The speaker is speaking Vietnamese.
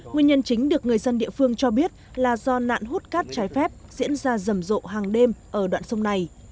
nguyên nhân chính được người dân địa phương cho biết là do nạn hút cát trái phép diễn ra rầm rộ hàng đêm ở đoạn sông này